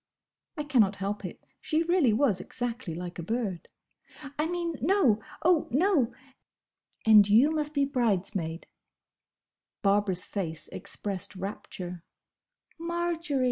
(I cannot help it: she really was exactly like a bird!) "I mean, No! oh, no!" "And you must be bridesmaid!" Barbara's face expressed rapture. "Marjory!"